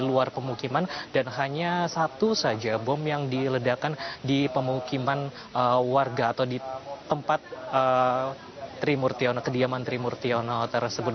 di luar pemukiman dan hanya satu saja bom yang diledakan di pemukiman warga atau di tempat kediaman trimurtiono tersebut